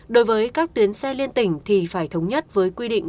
đối với các tuyến xe liên tỉnh thì phải thống nhất với quy định